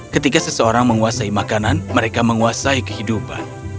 ketika seseorang menguasai makanan mereka menguasai kehidupan